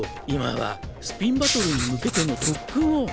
今はスピンバトルに向けてのとっくんを。